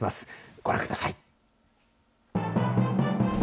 ご覧ください。